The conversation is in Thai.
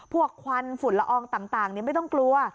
ควันฝุ่นละอองต่างไม่ต้องกลัว